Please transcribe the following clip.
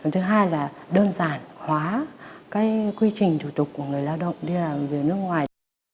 thứ hai là đơn giản hóa quy trình thủ tục của người lao động đi làm việc ở nước ngoài